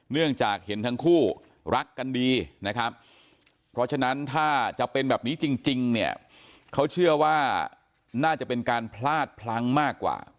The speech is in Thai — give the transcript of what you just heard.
เนื่องจากเห็นทั้งคู่รักกันดีนะครับเพราะฉะนั้นถ้าจะเป็นแบบนี้จริงเนี่ยเขาเชื่อว่าน่าจะเป็นการพลาดพลั้งมากกว่า